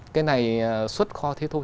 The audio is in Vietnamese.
cái này xuất kho thế thôi